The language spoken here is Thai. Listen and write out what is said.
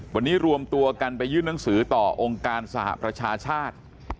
วันนี้รวมตัวกันไปยื่นหนังสือต่อองค์การสหประชาชาติ